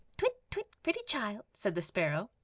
"Twit, twit, pretty child," said the sparrow.